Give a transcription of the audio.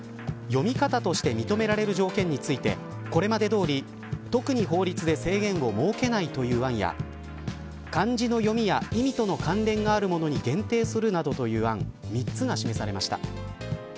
読み方として認められる条件についてこれまでどおり、特に法律で制限を設けないという案や漢字の読みや意味との関連があるものに限定するなどという案３つが示されました。